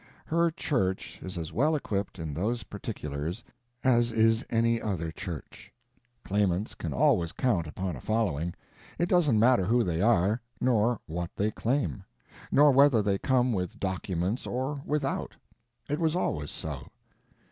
Her Church is as well equipped in those particulars as is any other Church. Claimants can always count upon a following, it doesn't matter who they are, nor what they claim, nor whether they come with documents or without. It was always so.